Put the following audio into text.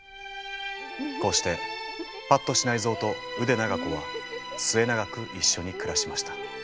こうして八渡支内造と腕長子は末長く一緒に暮らしました。